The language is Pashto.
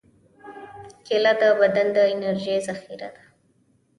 کېله د بدن د انرژۍ ذخیره ده.